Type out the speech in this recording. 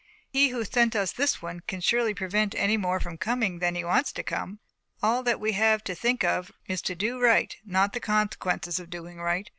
He who sent us this one can surely prevent any more from coming than he wants to come. All that we have to think of is to do right not the consequences of doing right.